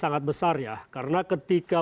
sangat besar ya karena ketika